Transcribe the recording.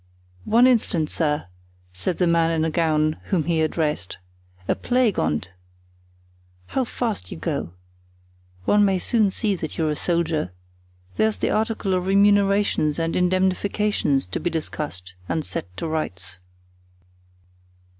"One instant, sir," said the man in a gown, whom he addressed; "a plague on't! how fast you go! one may soon see that you're a soldier. There's the article of remunerations and indemnifications to be discussed and set to rights."